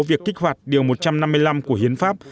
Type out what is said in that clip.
việc kích hoạt điều một trăm năm mươi năm của hiến pháp